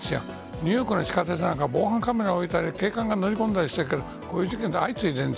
ニューヨークの地下鉄なんか防犯カメラを置いたり警官が乗り込んだりしてるけどこういう事件が相次いでいる。